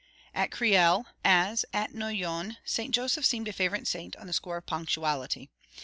At Creil, as at Noyon, Saint Joseph seemed a favourite saint on the score of punctuality.